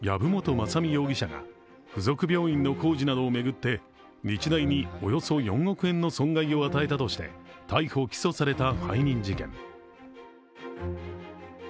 雅巳容疑者が附属病院の工事などを巡って日大におよそ４億円の損害を与えたとして逮捕・起訴された背任事件。